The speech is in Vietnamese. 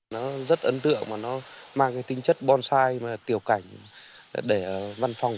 nó rất ấn tượng và nó mang cái tính chất bonsai mà tiểu cảnh để văn phòng